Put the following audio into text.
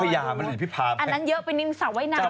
อันที่มันไม่ใช่แนวอันที่มันไม่ใช่แนวอันที่มันไม่ใช่แนว